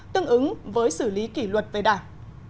tương ứng với xử lý kỷ luật về đảng